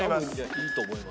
いいと思います。